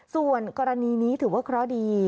ส่วนกรณีนี้ถือว่าเคราะห์ดี